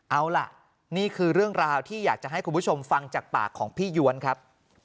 เอาล่ะนี่คือเรื่องราวที่อยากจะให้คุณผู้ชมฟังจากปากของพี่ย้วนครับ